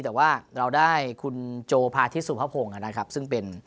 แต่ว่าเราได้คุณโจพาทิศสุภพงศ์นะครับซึ่งเป็น